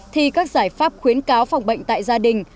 thì các giải pháp khuyến cáo phòng bệnh tại gia đình